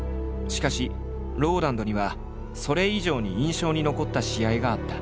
しかしＲＯＬＡＮＤにはそれ以上に印象に残った試合があった。